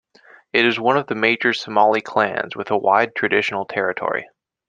It is one of the major Somali clans, with a wide traditional territory.